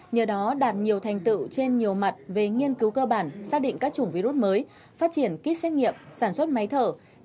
nhờ đó đạt nhiều thành tựu trên nhiều mặt về nghiên cứu cơ bản xác định các chủng virus mới phát triển kit xét nghiệm sản xuất máy thở